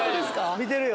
見てるよ。